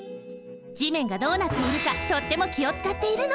じめんがどうなっているかとってもきをつかっているの。